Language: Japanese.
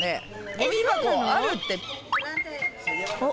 ゴミ箱あるって。